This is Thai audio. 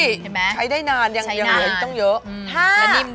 ใช้ได้นานยังเหลืออีกตั้งเยอะ